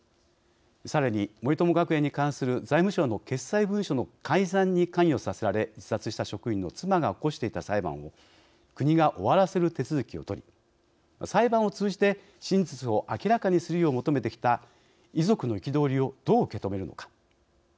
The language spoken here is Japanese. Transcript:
さらに森友学園に関する財務省の決裁文書の改ざんに関与させられ自殺した職員の妻が起こしていた裁判を国が終わらせる手続きを取り裁判を通じて真実を明らかにするよう求めてきた遺族の憤りをどう受け止めるのか。